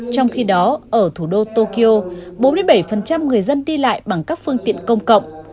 trong khi đó ở thủ đô tokyo bốn mươi bảy người dân đi lại bằng các phương tiện công cộng